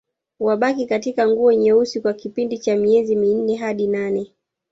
Wabaki katika nguo nyeusi kwa kipindi cha miezi minne hadi nane